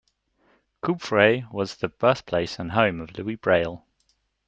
Coupvray was the birthplace and home of Louis Braille.